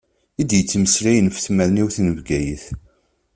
I d-yettmeslayen ɣef tmerniwt n Bgayet.